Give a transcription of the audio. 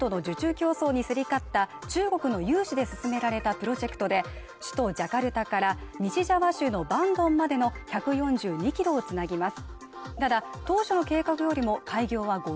競争に競り買った中国の融資で進められたプロジェクトで、首都ジャカルタから西ジャワ州のバンドンまでの１４２キロを繋ぎます。